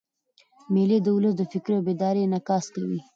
مېلې د اولس د فکري بیدارۍ انعکاس کوي.